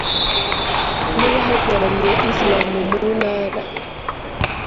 n’abahagarariye Islam mu ntara,